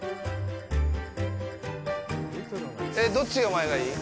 ええ、どっちが前がいい？